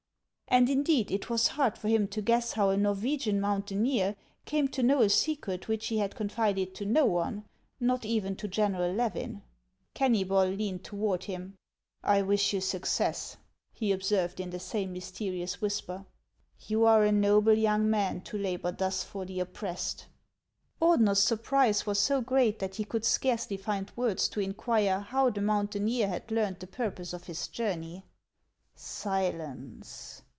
" And, indeed, it was hard for him to guess how a Nor wegian mountaineer came to know a secret which he had confided to no one, not even to General Levin, Kennybol leaned toward him. HANS OF ICELAND. 317 " I wish you success," he observed in the same mysteri ous whisper. " You are a noble young man to labor thus for the oppressed." Ordener's surprise was so great that he could scarcely find words to inquire how the mountaineer had learned the purpose of his journey. " Silence